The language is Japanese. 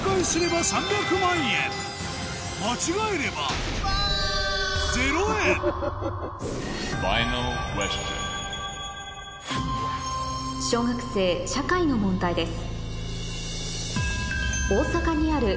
間違えれば小学生社会の問題です